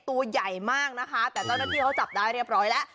ตัวใหญ่มากนะคะแต่เจ้าหน้าที่เขาจับได้เรียบร้อยแล้ว